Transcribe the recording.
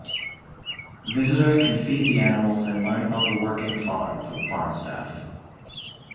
Visitors can feed the animals and learn about the working farm from farm staff.